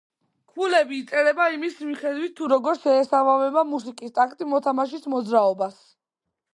ქულები იწერება იმის მიხედვით, თუ როგორ შეესაბამება მუსიკის ტაქტი მოთამაშის მოძრაობას.